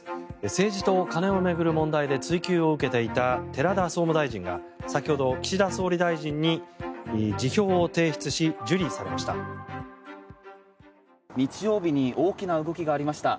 政治と金を巡る問題で追及を受けていた寺田総務大臣が先ほど、岸田総理大臣に辞表を提出し、受理されました。